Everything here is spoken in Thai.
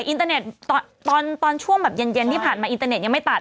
อินเตอร์เน็ตตอนช่วงแบบเย็นที่ผ่านมาอินเตอร์เน็ตยังไม่ตัด